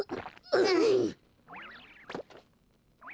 うん。